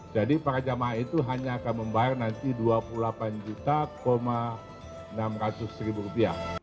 jadi para jamaah itu hanya akan membayar nanti rp dua puluh delapan enam ratus